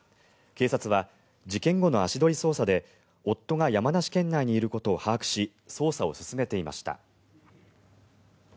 警察は、事件後の足取り捜査で夫が山梨県内にいることを把握し捜査を進めていました。